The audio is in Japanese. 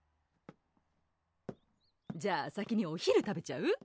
じゃあ先にお昼食べちゃう？